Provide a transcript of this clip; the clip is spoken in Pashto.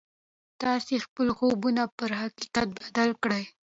تاسې خپل خوبونه پر حقيقت بدل کړئ.